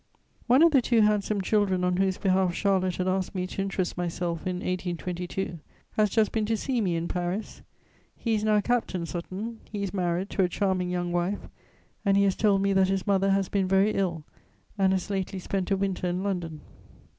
One of the two handsome children on whose behalf Charlotte had asked me to interest myself, in 1822, has just been to see me in Paris: he is now Captain Sutton; he is married to a charming young wife, and he has told me that his mother has been very ill and has lately spent a winter in London.